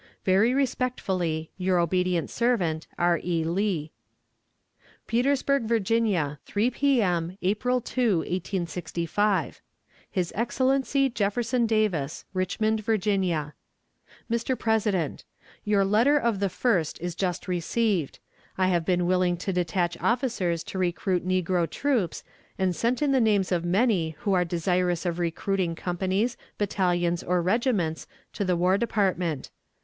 "Very respectfully, your obedient servant, "R. E. LEE." "PETERSBURG, VIRGINIA, 3 P.M., April 2, 1865. "His Excellency JEFFERSON DAVIS, Richmond, Virginia. "MR. PRESIDENT: Your letter of the 1st is just received. I have been willing to detach officers to recruit negro troops, and sent in the names of many who are desirous of recruiting companies, battalions, or regiments, to the War Department.